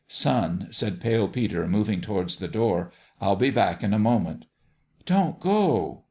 " Son," said Pale Peter, moving towards the door, " I'll be back in a moment." " Don't go."